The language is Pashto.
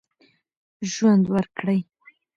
ژوند ورکړئ.